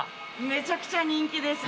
めちゃくちゃ人気です。